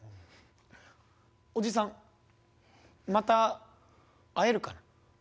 おじさんまた会えるかな？